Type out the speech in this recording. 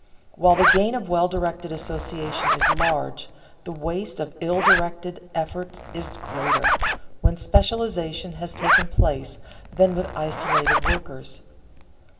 While the gain of well directed association is large, the waste of ill directed effort is greater, when specialization has taken place, than with isolated workers.